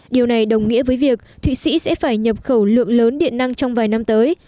điều này đồng nghĩa với việc thụy sĩ sẽ phải nhập khẩu lượng lớn điện năng trong vài năm tới